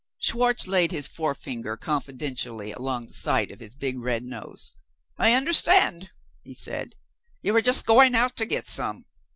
Schwartz laid his forefinger confidentially along the side of his big red nose. "I understand," he said, "you were just going out to get some."